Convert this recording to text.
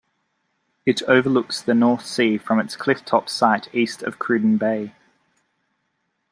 It overlooks the North Sea from its cliff-top site east of Cruden Bay.